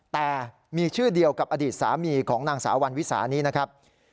แต่มีชื่อเดียวกับอดีตสามีของนางสาววันวิสานี้นะครับ